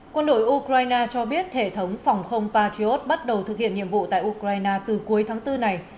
quân đội ukraine cho biết hệ thống phòng không patriot bắt đầu thực hiện nhiệm vụ tại ukraine từ cuối tháng bốn này